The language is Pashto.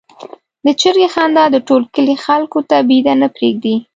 د چرګې خندا د ټول کلي خلکو ته بېده نه پرېږدي.